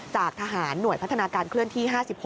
จากทหารหน่วยพัฒนาการเคลื่อนที่๕๖